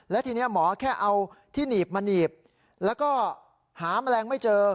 และทีนี้หมอแค่เอาที่หนีบมาหนีบแล้วก็หาแมลงไม่เจอ